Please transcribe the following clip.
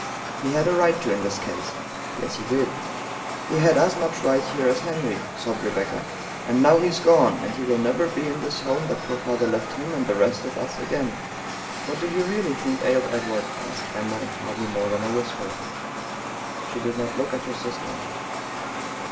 " He had a right to in this case." " Yes, he did." " He had as much of a right here as Henry," sobbed Rebecca, " and now he's gone, and he will never be in this home that poor father left him and the rest of us again." " What do you really think ailed Edward ?" asked Emma in hardly more than a whisper. She did not look at her sister.